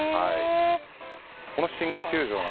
この新球場